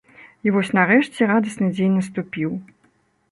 І вось нарэшце радасны дзень наступіў.